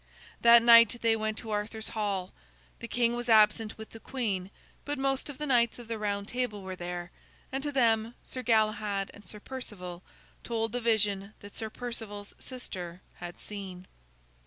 That night they went to Arthur's hall. The king was absent with the queen, but most of the knights of the Round Table were there, and to them Sir Galahad and Sir Perceval told the vision that Sir Perceval's sister had seen.